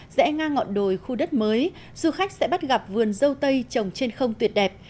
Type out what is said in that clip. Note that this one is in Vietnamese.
rẽ nga ngọn đồi khu đất mới du khách sẽ bắt gặp vườn dâu tây trồng trên không tuyệt đẹp